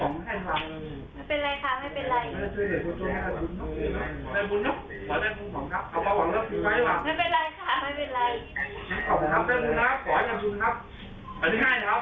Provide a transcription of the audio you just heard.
น้ำมันหมด